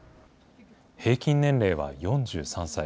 平均年齢は４３歳。